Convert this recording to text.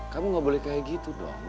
kamu gak boleh kayak gitu dong